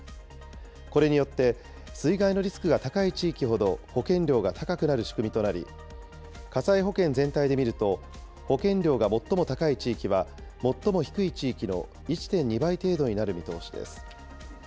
これによって水害のリスクが高い地域ほど保険料が高くなる仕組みとなり、火災保険全体で見ると、保険料が最も高い地域は、最も低い地域の１．２倍程度になる見通しです。